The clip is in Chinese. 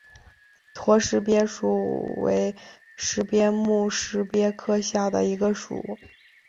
驼石鳖属为石鳖目石鳖科下的一个属。